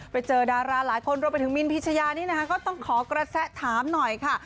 ไปเจอดาราหลายคนรวมไปถึงมินพิชยานี่นะคะก็ต้องขอกระแสถามหน่อยค่ะ